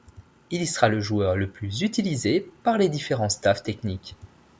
Il y sera le joueur le plus utilisé par les différents staffs technique.